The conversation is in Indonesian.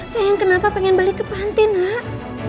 sayang kenapa pengen balik ke panti nak